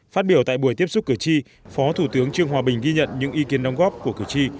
phát biểu tại buổi tiếp xúc cử tri phó thủ tướng trương hòa bình ghi nhận những ý kiến đóng góp của cử tri